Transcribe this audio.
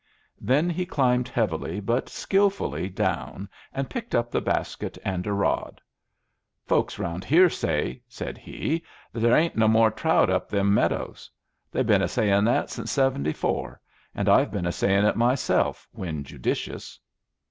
"Then he climbed heavily but skilfully down and picked up the basket and a rod. "Folks round here say," said he, "that there ain't no more trout up them meadows. They've been a sayin' that since '74; and I've been a sayin' it myself, when judicious."